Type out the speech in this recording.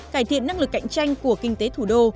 cải thiện năng lực cạnh tranh của kinh tế thủ đô